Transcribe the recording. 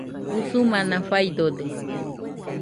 Usumana faidode